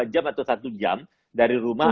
dua jam atau satu jam dari rumah